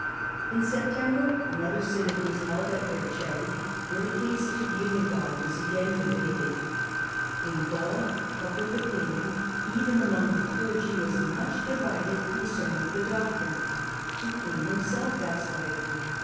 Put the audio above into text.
In September another synod was held at Vercelli, where the case of Berengar was again debated. In Synod at Gaul public Opinion, even among the clergy, Berengar was much divided concerning the doctrine, demned The king himself vacillated.